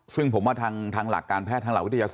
ซึ่งผมว่าทางหลักการแพทย์ทางหลักวิทยาศา